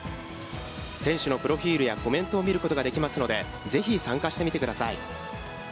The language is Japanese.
選手のプロフィールやコメントを見ることができますので、是非、参加してみてください。